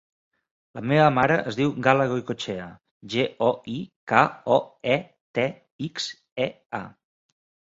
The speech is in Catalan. La meva mare es diu Gala Goikoetxea: ge, o, i, ca, o, e, te, ics, e, a.